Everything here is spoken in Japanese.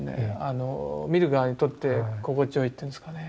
見る側にとって心地よいっていうんですかね。